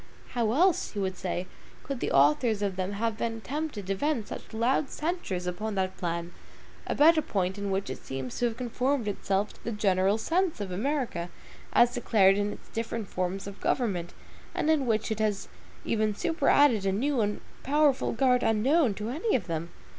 How else, he would say, could the authors of them have been tempted to vent such loud censures upon that plan, about a point in which it seems to have conformed itself to the general sense of America as declared in its different forms of government, and in which it has even superadded a new and powerful guard unknown to any of them?